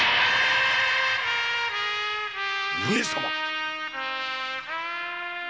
上様！？